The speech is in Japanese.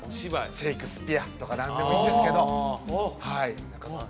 シェイクスピアとか何でもいいんですけどはいまあ